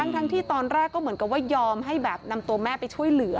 ทั้งที่ตอนแรกก็เหมือนกับว่ายอมให้แบบนำตัวแม่ไปช่วยเหลือ